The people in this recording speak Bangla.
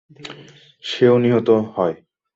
সেও নিহত হয়।